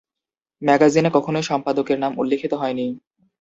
ম্যাগাজিনে কখনই সম্পাদকের নাম উল্লেখিত হয়নি।